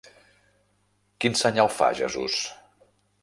Quin senyal fa Jesús?